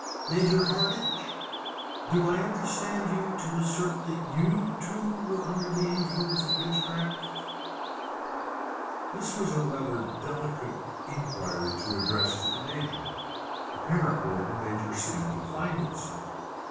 Major Hardinge, do I understand you to assert that you too were under the influence of witchcraft?" This was rather a delicate inquiry to address to the Major. Apparently the Major seemed to find it so.